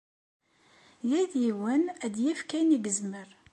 Yal yiwen ad d-yefk ayen i yezmer.